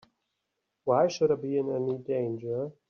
Why should I be in any danger?